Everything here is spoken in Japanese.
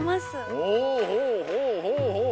ほうほうほうほうほう。